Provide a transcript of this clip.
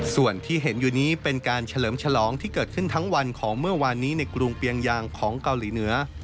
ส่วนที่เห็นอยู่นี้เป็นการเฉลิมฉลองที่เกิดขึ้นทั้งวันของเมื่อวานนี้ในกรุงเปียงยางของเกาหลีเหนือ